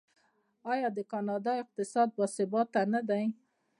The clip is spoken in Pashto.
آیا د کاناډا اقتصاد باثباته نه دی؟